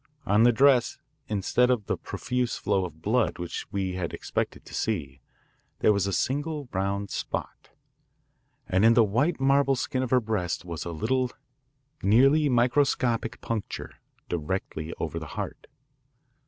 On the dress, instead of the profuse flow of blood which we had expected to see, there was a single round spot. And in the white marble skin of her breast was a little, nearly microscopic puncture, directly over the heart.